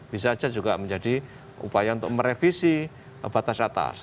bisa saja juga menjadi upaya untuk merevisi batas atas